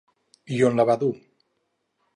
I on la va dur?